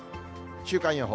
週間予報。